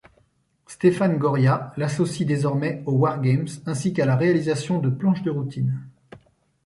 Stéphane Goria l'associe désormais aux wargames ainsi qu'à la réalisation de planches de routines.